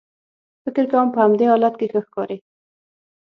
فکر کوم په همدې حالت کې ښه ښکارې.